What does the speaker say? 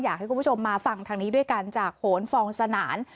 อยากให้คุณผู้ชมมาฟังทางนี้ด้วยกันจากโหนฟองสนาน